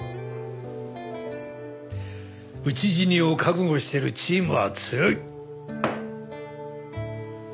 討ち死にを覚悟しているチームは強い。